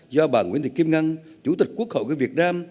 do bà nguyễn thị kim ngân chủ tịch quốc hội việt nam